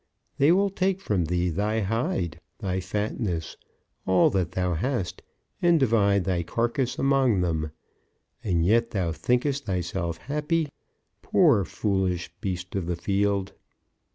They will take from thee thy hide, thy fatness, all that thou hast, and divide thy carcase among them. And yet thou thinkest thyself happy! Poor foolish beast of the field!"